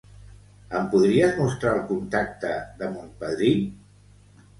Em podries mostrar el contacte de mon padrí?